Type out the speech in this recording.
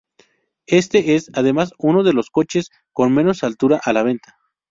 Este es, además, uno de los coches con menos altura a la venta.